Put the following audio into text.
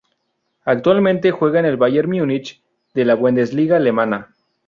Actualmente juega en el Bayern Múnich de la Bundesliga alemana.